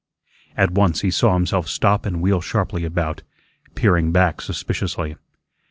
At once he saw himself stop and wheel sharply about, peering back suspiciously.